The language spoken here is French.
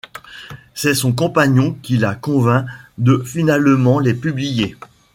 C'est son compagnon qui la convainc de finalement les publier.